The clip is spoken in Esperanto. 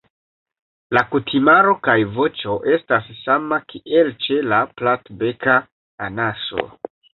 La kutimaro kaj voĉo estas sama kiel ĉe la Platbeka anaso.